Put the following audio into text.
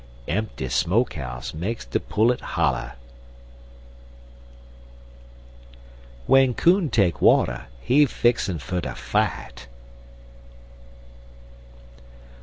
Empty smoke house makes de pullet holler. W'en coon take water he fixin' fer ter fight.